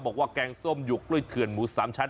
บอกว่าแกงส้มหยวกปล้วยทื่นน้ำหมู๓ชั้น